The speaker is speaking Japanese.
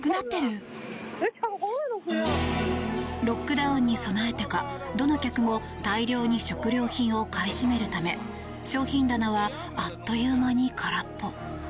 ロックダウンに備えてかどの客も大量に食料品を買い占めるため商品棚はあっという間に空っぽ。